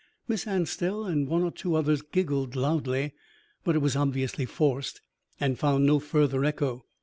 Miss Anstell and one or two others giggled loudly, but it was obviously forced, and found no further echo.